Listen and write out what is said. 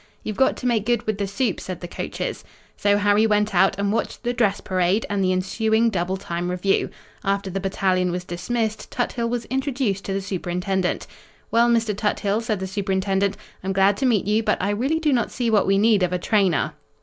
"You've got to make good with the Supe," said the coaches. So Harry went out and watched the dress parade and the ensuing double time review. After the battalion was dismissed, Tuthill was introduced to the Superintendent. "Well, Mr. Tuthill," said the Superintendent, "I'm glad to meet you, but I really do not see what we need of a trainer."